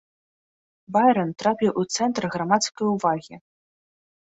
Байран трапіў у цэнтр грамадскае ўвагі.